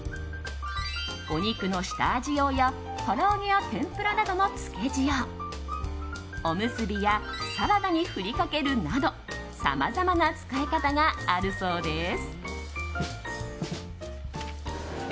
お肉の下味用やから揚げや天ぷらなどのつけ塩やおむすびやサラダに振りかけるなどさまざまな使い方があるそうです。